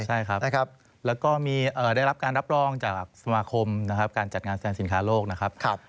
ใช่ครับแล้วก็ได้รับการรับรองจากสมาคมนะครับการจัดงานแสดงสินค้าโลกนะครับ